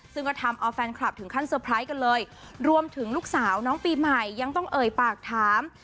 ซึ่งก็ทำเอาแฟนคลับถึงขั้นเตอร์ไพรส์กันเลยรวมถึงลูกสาวน้องปีใหม่ยังต้องเอ่ยปากถาม